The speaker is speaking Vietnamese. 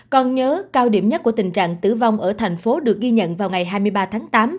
còn nhớ cao điểm nhất của tình trạng tử vong ở thành phố được ghi nhận vào ngày hai mươi ba tháng tám